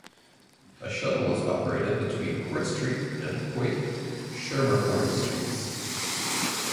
A shuttle was operated between Court Street and Hoyt-Schermerhorn Streets.